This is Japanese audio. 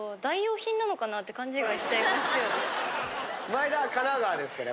前田は神奈川ですけど。